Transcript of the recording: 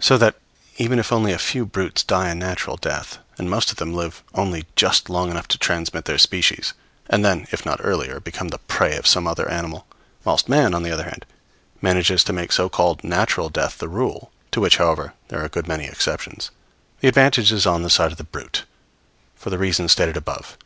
So that even if only a few brutes die a natural death, and most of them live only just long enough to transmit their species, and then, if not earlier, become the prey of some other animal, whilst man, on the other hand, manages to make so called natural death the rule, to which, however, there are a good many exceptions, the advantage is on the side of the brute, for the reason stated above.